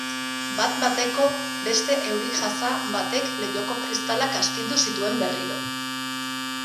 Bat-bateko beste euri-jasa batek leihoko kristalak astindu zituen berriro.